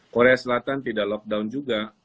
korea selatan tidak lockdown juga